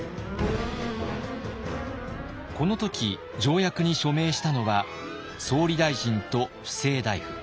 この時条約に署名したのは総理大臣と布政大夫。